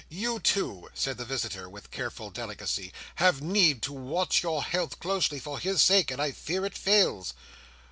You too," said the visitor, with careful delicacy, "have need to watch your health closely, for his sake, and I fear it fails."